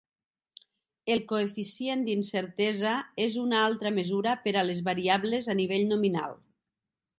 El coeficient d'incertesa és una altra mesura per a les variables al nivell nominal.